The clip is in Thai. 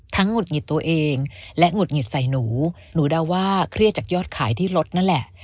หงุดหงิดตัวเองและหงุดหงิดใส่หนูหนูเดาว่าเครียดจากยอดขายที่ลดนั่นแหละ